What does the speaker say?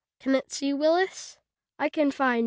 "Can it see, Willis?" "I can find no eyes."